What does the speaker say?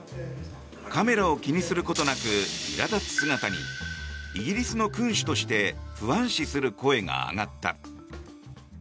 カメラを気にすることなくいら立つ姿にイギリスの君主として不安視する声が上がった。